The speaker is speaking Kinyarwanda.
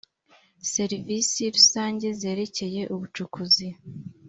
serivisi rusange zerekeye ubucukuzi